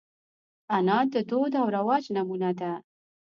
انا د دود او رواج نمونه ده